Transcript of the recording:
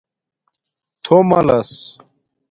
تھُوملس